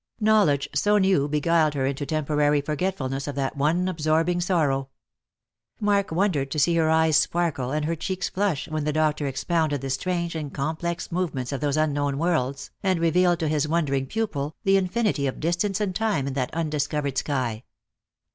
Knowledge so new beguiled her into temporary forgetfulness of that one absorbing sorrow. Mark wondered to see her eyes sparkle and her cheeks flush when the doctor expounded the strange and complex move ments of those unknown worlds, and revealed to his wondering pupil the infinity of distance and time in that undiscovered sky.